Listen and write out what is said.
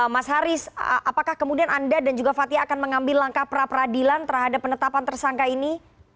mas haris apakah kemudian anda dan juga fathia akan mengambil langkah pra peradilan terhadap penetapan tersangka ini